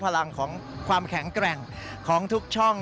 พลังของความแข็งแกร่งของทุกช่อง